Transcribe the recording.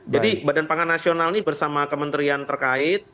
jadi badan pangan nasional ini bersama kementerian terkait